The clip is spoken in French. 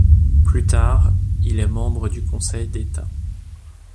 Plus tard, il est membre du Conseil d'État.